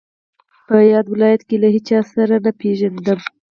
په یاد ولایت کې له هیچا سره نه پېژندم.